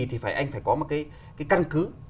thì anh phải có một cái căn cứ